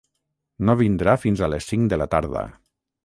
No vindrà fins a les cinc de la tarda.